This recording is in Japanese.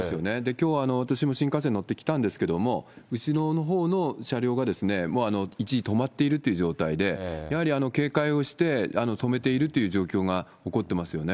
きょうは私も新幹線に乗ってきたんですけれども、後ろのほうの車両がもう一時止まっているという状態で、やはり警戒をして止めているという状況が起こってますよね。